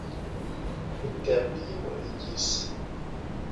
Bitep bi yé we i jis.